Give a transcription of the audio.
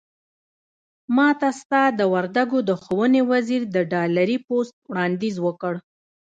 ماته ستا د وردګو د ښوونې وزير د ډالري پست وړانديز وکړ.